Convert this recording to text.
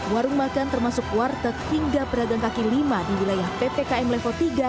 warung makan termasuk warteg hingga pedagang kaki lima di wilayah ppkm level tiga